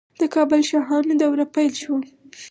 د کابل شاهانو دوره پیل شوه